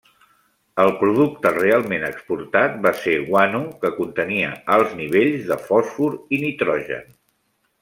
El producte realment exportat va ser guano que contenia alts nivells de fòsfor i nitrogen.